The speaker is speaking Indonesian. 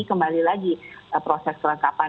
kembali lagi proses kelengkapan